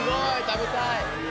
食べたい！